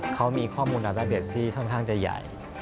เขามีข้อมูลอัปเดตซี่ค่อนข้างจะใหญ่